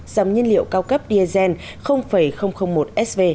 dòng nhân liệu cao cấp diesel một sv